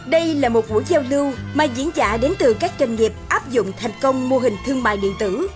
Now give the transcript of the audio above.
đây là một buổi giao lưu mà diễn giả đến từ các doanh nghiệp áp dụng thành công mô hình thương mại điện tử